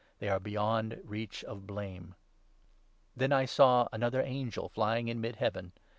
They are beyond reach of blame. Then I saw another angel, flying in mid heaven.